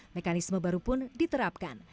mekanisme baru pun diterapkan